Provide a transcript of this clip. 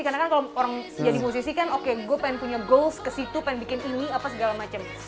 karena kan kalau orang jadi musisi kan oke gue pengen punya goals ke situ pengen bikin ini apa segala macam